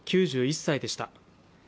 ９１歳でした。